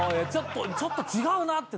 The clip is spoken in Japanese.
ちょっと違うなってなって。